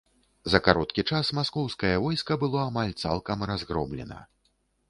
За кароткі час маскоўскае войска было амаль цалкам разгромлена.